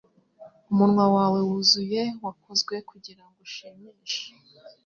Umunwa wawe wuzuye wakozwe kugirango ushimishe